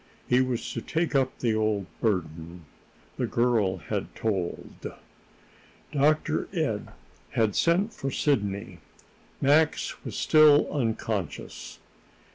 He was to take up the old burden. The girl had told. Dr. Ed had sent for Sidney. Max was still unconscious.